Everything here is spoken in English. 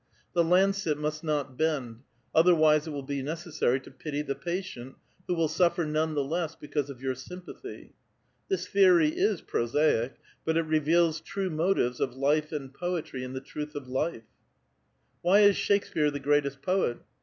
The lancet must not bend ; othei'wise it will be necessary to pity the patient, who will suffer none the less because of your sympathy. This theory is prosaic, but it reveals true mo tives of life and poetry in the truth of life. Why is IShaks pere the greatest poet?